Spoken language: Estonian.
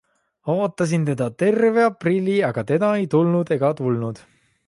Ootasin teda terve aprilli, aga teda ei tulnud ega tulnud.